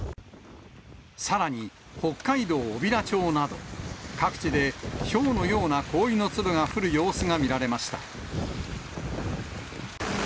さらに、北海道小平町など、各地でひょうのような氷の粒が降る様子が見られました。